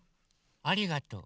ありがとう。